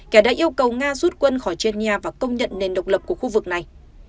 kẻ đã yêu cầu nga rút quân khỏi genia và công nhận nền độc lập của khu vực này